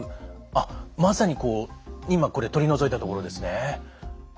あっまさにこう今これ取り除いたところですね。